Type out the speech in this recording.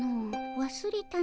わすれたの。